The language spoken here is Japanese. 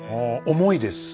重いですね。